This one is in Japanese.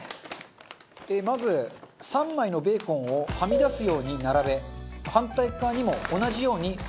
まず３枚のベーコンをはみ出すように並べ反対側にも同じように３枚並べます。